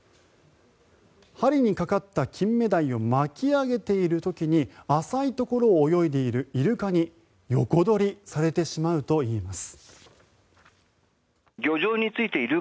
針にかかったキンメダイを巻き上げている時に浅いところを泳いでいるイルカに横取りされてしまうといいます。